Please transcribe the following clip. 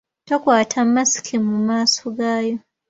Tokwata masiki mu maaso gaayo.